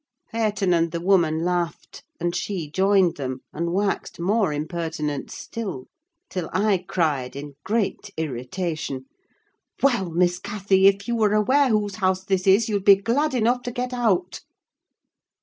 Hareton and the woman laughed, and she joined them, and waxed more impertinent still; till I cried, in great irritation,—"Well, Miss Cathy, if you were aware whose house this is you'd be glad enough to get out."